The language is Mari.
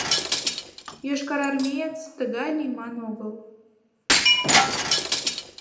«Йошкарармеец тыгай лийман огыл.